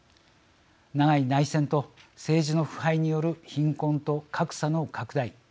長い内戦と政治の腐敗による貧困と格差の拡大